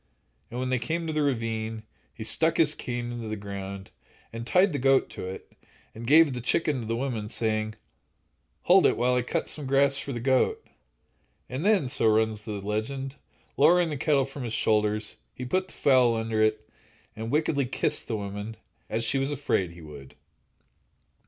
And when they came to the ravine, he stuck his cane into the ground, and tied the goat to it, and gave the chicken to the woman, saying: "Hold it while I cut some grass for the goat," and then—so runs the legend—lowering the kettle from his shoulders, he put the fowl under it, and wickedly kissed the woman, as she was afraid he would.